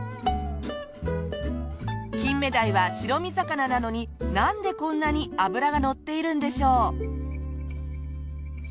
金目鯛は白身魚なのになんでこんなに脂がのっているんでしょう？